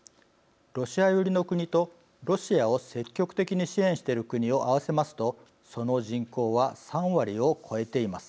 ロシア寄りの国とロシアを積極的に支援している国を合わせますとその人口は３割を超えています。